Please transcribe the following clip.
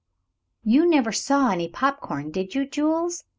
"You never saw any pop corn, did you, Jules?"